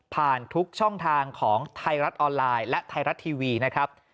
ทุกช่องทางของไทยรัฐออนไลน์และไทยรัฐทีวีนะครับ